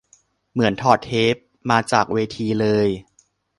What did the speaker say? เหมือนถอดเทปมาจากเวทีเลย